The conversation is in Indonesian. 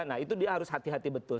nah itu dia harus hati hati betul